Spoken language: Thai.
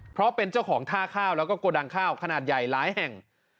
เพราะเป็นเจ้าของท่าข้าวแล้วก็โกดังข้าวขนาดใหญ่หลายแห่ง